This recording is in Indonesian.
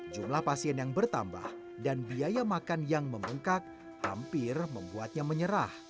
jumlah pasien yang bertambah dan biaya makan yang membengkak hampir membuatnya menyerah